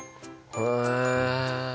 へえ。